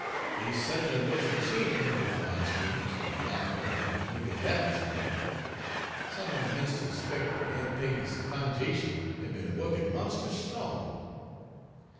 Dey su't'nly Page 93 wuz a change come ober Mars Jeems, w'en he offer' one er his niggers dat much money. Solomon 'mence' ter 'spec' dat Aun' Peggy's cunj'ation had be'n wukkin' monst'us strong.